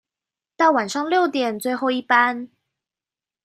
到晚上六點最後一班